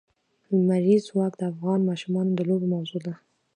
لمریز ځواک د افغان ماشومانو د لوبو موضوع ده.